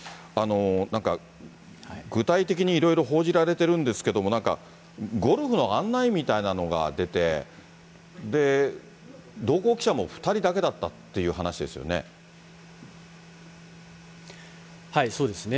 なんか、具体的にいろいろ報じられてるんですけれども、なんか、ゴルフの案内みたいなのが出て、で、同行記者も２人だけだったとそうですね。